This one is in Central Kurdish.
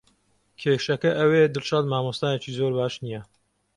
کێشەکە ئەوەیە دڵشاد مامۆستایەکی زۆر باش نییە.